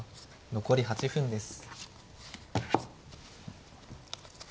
残り８分です。